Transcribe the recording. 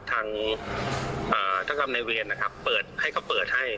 ทางอ่าทางกรรมในเวียนนะครับเปิดให้เขาเปิดให้